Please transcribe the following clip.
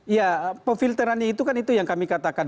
ya pefilterannya itu kan itu yang kami katakan